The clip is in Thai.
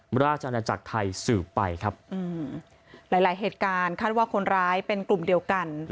ราชอาณาจักรไทยสืบไปครับหลายหลายเหตุการณ์คาดว่าคนร้ายเป็นกลุ่มเดียวกัน